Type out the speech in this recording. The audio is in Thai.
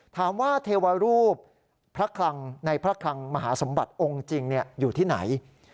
ถามว่าเทวรูปพระคลังในพระคลังมหาสมบัติองค์จริงอยู่ที่ไหน